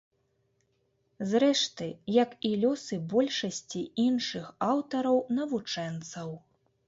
Зрэшты, як і лёсы большасці іншых аўтараў-навучэнцаў.